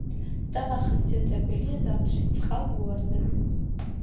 დამახასიათებელია ზამთრის წყალმოვარდნები.